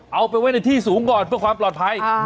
เอาไปไว้ในที่สูงก่อนเพื่อความปลอดภัย